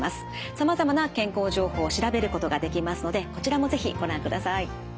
さまざまな健康情報を調べることができますのでこちらも是非ご覧ください。